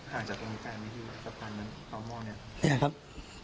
ห่างจากตรงนี้ได้ไหมที่สะพานต่อหม้อเนี้ย